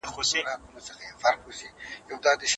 پوښتنه وکړئ چي د دې ستونزي حل څه دی.